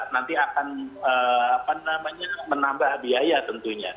nanti akan menambah biaya tentunya